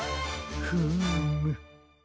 フーム。